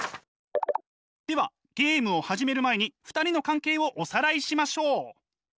ではゲームを始める前に２人の関係をおさらいしましょう。